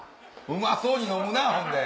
うまそうに飲むなほんで！